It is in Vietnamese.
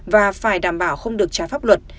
và phải đảm bảo không được trái pháp luật